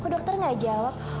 kok dokter nggak jawab